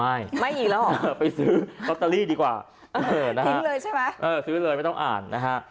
ไม่ไม่อีกแล้วเหรอไปซื้อลอตเตอรี่ดีกว่าซื้อเลยใช่ไหมเออซื้อเลยไม่ต้องอ่านนะฮะ